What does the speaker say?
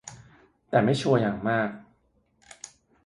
แต่ไม่ชัวร์อย่างมาก